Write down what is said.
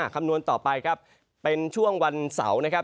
คำนวณต่อไปครับเป็นช่วงวันเสาร์นะครับ